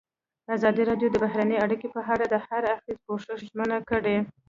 ازادي راډیو د بهرنۍ اړیکې په اړه د هر اړخیز پوښښ ژمنه کړې.